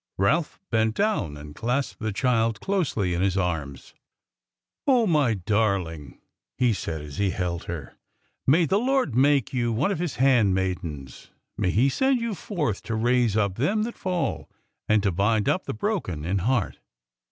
Ralph bent down and clasped the child closely in his arms. "Oh, my darling," he said, as he held her, "may the Lord make you one of His handmaidens! May He send you forth to raise up them that fall, and to bind up the broken in heart!"